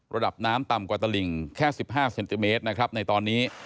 ระดับน้ำต่ำกว่าตลิงแค่๑๕เซนติเมตรนะครับในตอนนี้